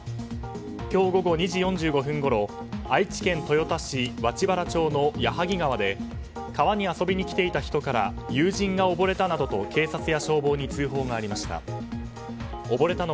今日午後２時４５分ごろ愛知県豊田市月原町の矢作川で川に遊びに来ていた人から友人が溺れたなどと警察や消防に通報がありました。